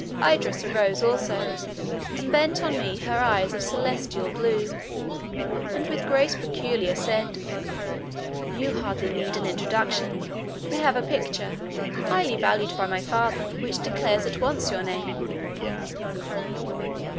Idris arose also, and bent on me her eyes of celestial blue, and with grace peculiar said—"You hardly need an introduction; we have a picture, highly valued by my father, which declares at once your name.